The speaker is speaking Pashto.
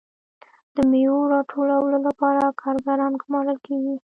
د میوو د راټولولو لپاره کارګران ګمارل کیږي.